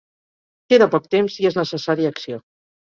Queda poc temps i és necessari acció.